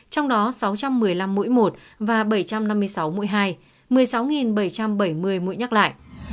trong đó sáu trăm một mươi năm mũi một và bảy trăm năm mươi sáu mũi hai một mươi sáu bảy trăm bảy mươi mũi nhắc lại